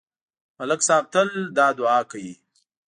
ملک صاحب تل دا دعا کوي.